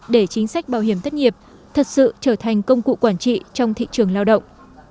để chính sách bảo hiểm thất nghiệp thật sự trở thành công cụ quản trị trong thị trường lao động